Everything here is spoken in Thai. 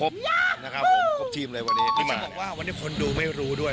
เพราะจริงเขาจะเจอพวกฝัยทองสโตเตด้วย